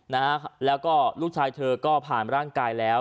นะฮะแล้วก็ลูกชายเธอก็ผ่านร่างกายแล้ว